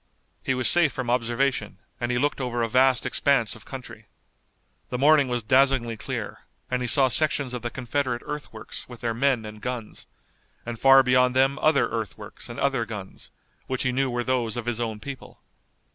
He was safe from observation and he looked over a vast expanse of country. The morning was dazzlingly clear, and he saw sections of the Confederate earthworks with their men and guns, and far beyond them other earthworks and other guns, which he knew were those of his own people.